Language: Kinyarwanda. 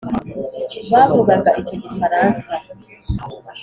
Bavugaga icyo gifaransa